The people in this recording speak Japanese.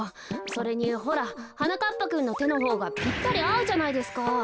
それにほらはなかっぱくんのてのほうがぴったりあうじゃないですか。